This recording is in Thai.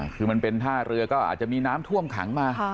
คือมันเป็นท่าเรือก็อาจจะมีน้ำท่วมขังมา